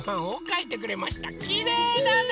きれいだね！